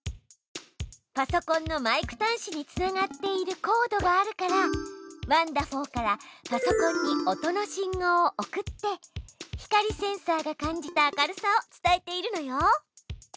パソコンのマイク端子につながっているコードがあるからワンだふぉーからパソコンに音の信号を送って光センサーが感じた明るさを伝えているのよ。